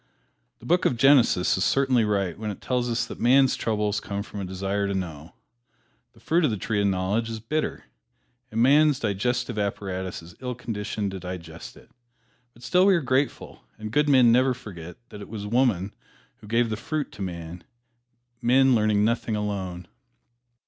The book of Genesis is certainly right when it tells us that man's troubles came from a desire to know. The fruit of the tree of knowledge is bitter, and man's digestive apparatus is ill conditioned to digest it. But still we are grateful, and good men never forget that it was woman who gave the fruit to man men learn nothing alone.